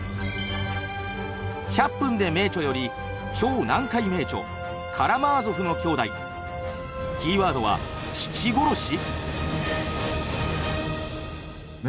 「１００分ｄｅ名著」より「超難解名著『カラマーゾフの兄弟』キーワードは“父殺し”」。